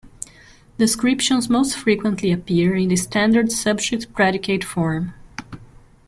Descriptions most frequently appear in the standard subject-predicate form.